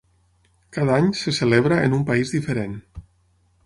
Cada any se celebra en un país diferent.